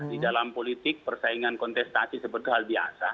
di dalam politik persaingan kontestasi seperti hal biasa